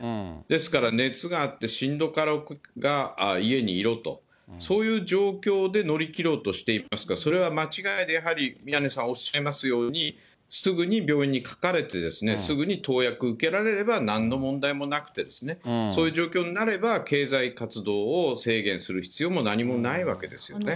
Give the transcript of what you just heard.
ですから、熱があってしんどかろうが家にいろと、そういう状況で乗り切ろうとしていますから、それは間違いで、やはり、宮根さんおっしゃいますように、すぐに病院にかかれて、すぐに投薬受けられればなんの問題もなくて、そういう状況になれば経済活動を制限する必要も何もないわけですよね。